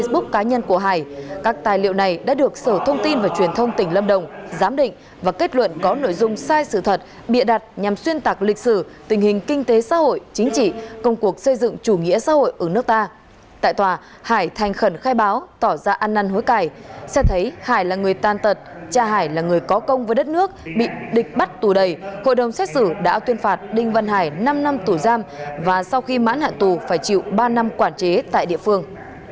bắt tù đầy hội đồng xét xử đã tuyên phạt đinh văn hải năm năm tù giam và sau khi mãn hạn tù phải chịu ba năm quản chế tại địa phương